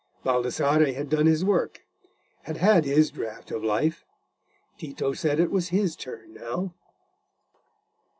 Baldassarre had done his work, had had his draught of life: Tito said it was his turn now.